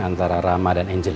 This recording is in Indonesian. antara rama dan angel